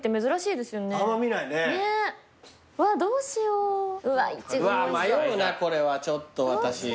うわ迷うなこれはちょっと私。